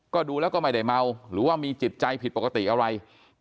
ก็ดูแล้วก็ไม่ได้เมาหรือว่ามีจิตใจผิดปกติอะไร